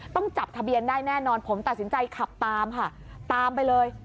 ต้องจับทะเบียนได้แน่นอนผมตัดสินใจขับตามค่ะตามไปเลย